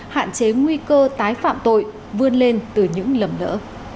hạn chế nguy cơ tái phạm tội vươn lên từ những lầm lỡ